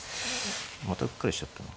またうっかりしちゃったのか。